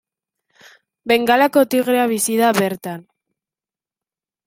Bengalako tigrea bizi da bertan.